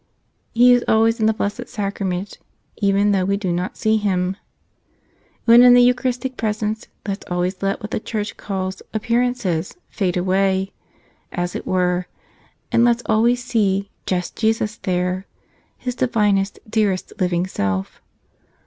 He is always in the Blessed Sacrament, even though we do not see Him. When in the Eucharistic presence, let's always let what the Church calls appearances fade away, as it were, and let's always see just Jesus there, His divinest, dearest, living Self.